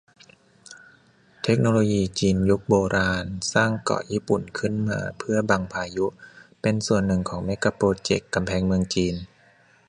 เทคโนโลยีจีนยุคโบราณ สร้างเกาะญี่ปุ่นขึ้นมาเพื่อบังพายุ เป็นส่วนหนึ่งของเมกะโปรเจกต์กำแพงเมืองจีน